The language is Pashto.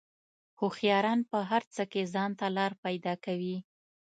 هوښیاران په هر څه کې ځان ته لار پیدا کوي.